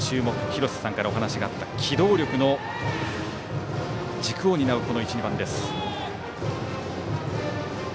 廣瀬さんからお話があった機動力の軸を担う１、２番です。